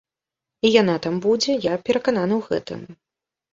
І яна там будзе, я перакананы ў гэтым.